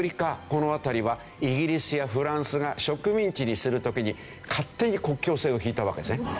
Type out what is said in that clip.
この辺りはイギリスやフランスが植民地にする時に勝手に国境線を引いたわけですね。